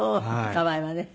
可愛いわね。